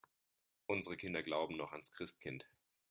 Unsere Kinder glauben noch ans Christkind.